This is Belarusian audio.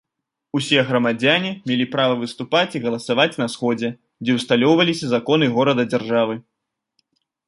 Усе грамадзяне мелі права выступаць і галасаваць на сходзе, дзе ўсталёўваліся законы горада-дзяржавы.